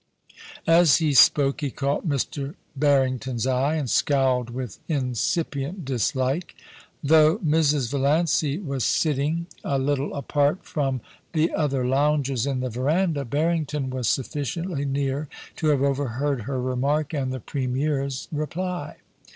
As he spoke he caught Mr. Barrington's eye, and scowled with incipient dislike. Though Mrs. Valiancy was sitting a THE PREMIER, 15 little apart from the other loungers in the verandah, Barring ton was sufficiently near to have overheard her remark and the Premier's reply.